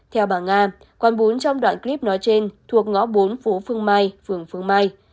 theo bà nga quán bốn trong đoạn clip nói trên thuộc ngõ bốn phố phương mai phường phương mai